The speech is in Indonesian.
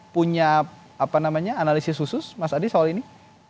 punya analisis khusus mas adi soal ini